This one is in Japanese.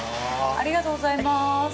ありがとうございます。